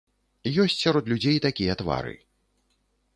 Ёсць сярод людзей такія твары.